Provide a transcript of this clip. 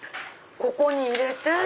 ここに入れて。